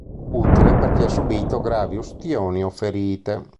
Utile per chi ha subito gravi ustioni o ferite.